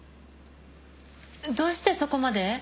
どうしてそこまで？